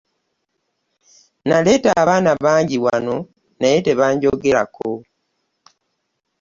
Naleeta abaana bangi wano naye tebanjogerako.